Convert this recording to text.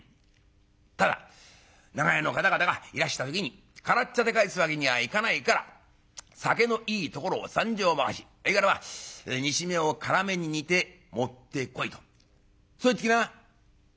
『ただ長屋の方々がいらした時に空茶で帰すわけにはいかないから酒のいいところを３升ばかしほいからまあ煮しめを辛めに煮て持ってこい』とそう言ってきな」。